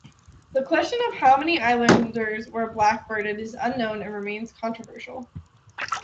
The question of how many Islanders were "blackbirded" is unknown and remains controversial.